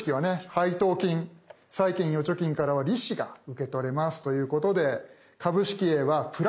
配当金債券・預貯金からは利子が受け取れますということで株式Ａは＋４，０００円。